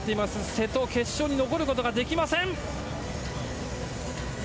瀬戸、決勝に残ることができません。